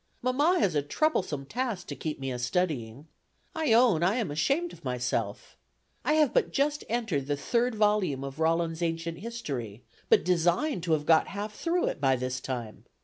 Mamma has a troublesome task to keep me a studying. I own I am ashamed of myself. I have but just entered the third volume of Rollin's Ancient History, but designed to have got half through it by this time.